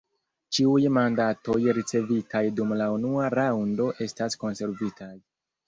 Ĉiuj mandatoj ricevitaj dum la unua raŭndo estas konservitaj.